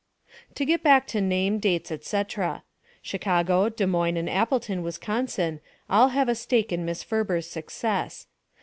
To get back to name, dates, etc. : Chicago, Des Moines and Appleton, Wisconsin, all have a stake in Miss Ferber's success.